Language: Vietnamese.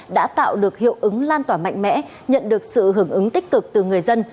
đã tạo được hiệu ứng lan tỏa mạnh mẽ nhận được sự hưởng ứng tích cực từ người dân